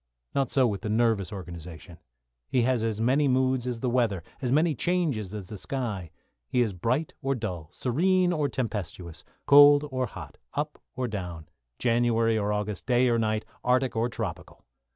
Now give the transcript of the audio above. Not so with the nervous organisation. He has as many moods as the weather, as many changes as the sky. He is bright or dull, serene or tempestuous, cold or hot, up or down, January or August, day or night, Arctic or tropical.